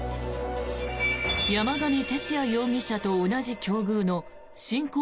山上徹也容疑者と同じ境遇の信仰